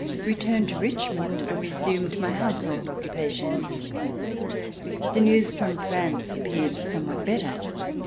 Returned to Ricnmond, I resumed my household occupations. The news from France appeared some what better.